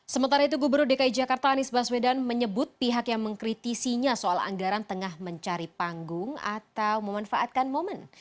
sementara itu gubernur dki jakarta anies baswedan menyebut pihak yang mengkritisinya soal anggaran tengah mencari panggung atau memanfaatkan momen